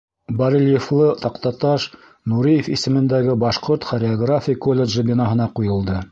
Барельефлы таҡтаташ Нуриев исемендәге Башҡорт хореография колледжы бинаһына ҡуйылды.